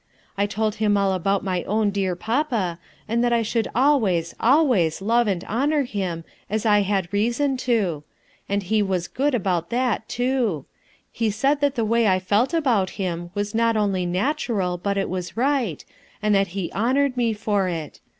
I told him about my own dear papa, and that I should always, always love and honor him as I had reason to; and he was good about that, too; he said that the way I felt about him was not only natural but it was right, and that he honored me for it.